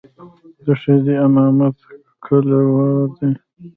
د ښځې امامت کله روا دى.